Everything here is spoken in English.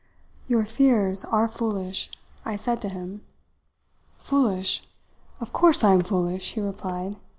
"'Your fears are foolish,' I said to him. "'Foolish? of course I am foolish,' he replied.